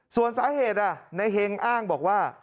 ส่วนสาเหตุในเฮงอ้างบอกว่า